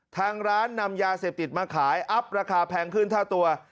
ทางร้านนำยาเสพติดมาขายอัพราคาแพงขึ้นค่าตัว